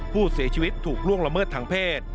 ผู้เสียชีวิตถูกล่วงละเมิดทางเพศ